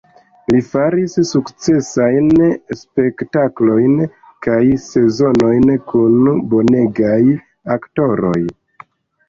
Li faris sukcesajn spektaklojn kaj sezonojn kun bonegaj aktoroj.